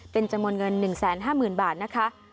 เป็นจำนวนเงิน๑๕๐๐๐บาทนะคะ